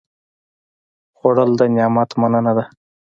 خوړل د نعمت مننه ده